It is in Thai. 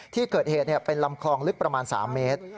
ที่เกิดเหตุเป็นลำคลองลึกประมาณ๓เมตร